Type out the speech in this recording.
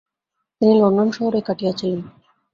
তিনি লন্ডন শহরেই কাটিয়েছিলেন।